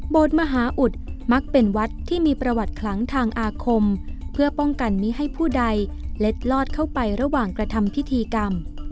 มหาอุดมักเป็นวัดที่มีประวัติคลังทางอาคมเพื่อป้องกันไม่ให้ผู้ใดเล็ดลอดเข้าไประหว่างกระทำพิธีกรรม